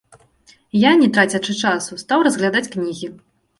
Я, не трацячы часу, стаў разглядаць кнігі.